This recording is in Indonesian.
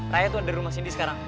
raya tuh ada di rumah sindi sekarang